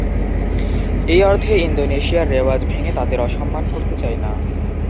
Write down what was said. এই অর্থে ইন্দোনেশিয়ার রেওয়াজ ভেঙে তাঁদের অসম্মান করতে চাই না।